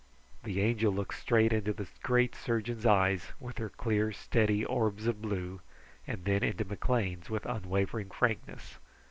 The Angel looked straight into the great surgeon's eyes with her clear, steady orbs of blue, and then into McLean's with unwavering frankness.